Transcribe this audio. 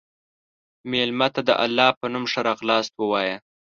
مېلمه ته د الله په نوم ښه راغلاست ووایه.